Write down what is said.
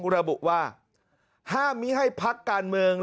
ระบุว่าห้ามมิให้พักการเมือง